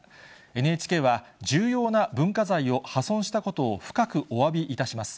ＮＨＫは重要な文化財を破損したことを深くおわびいたします。